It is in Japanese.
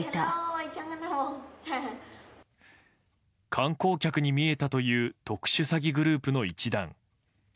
観光客に見えたという特殊詐欺グループの一団。